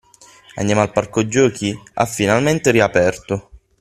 Andiamo al parco giochi? Ha finalmente riaperto!